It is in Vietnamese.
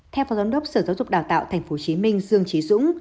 theo phó giám đốc sở giáo dục đào tạo tp hcm dương trí dũng